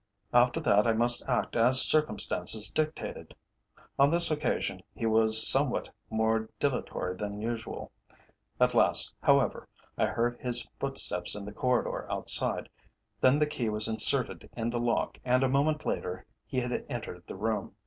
After that I must act as circumstances dictated. On this occasion he was somewhat more dilatory than usual. At last, however, I heard his footsteps in the corridor outside, then the key was inserted in the lock, and a moment later he had entered the room.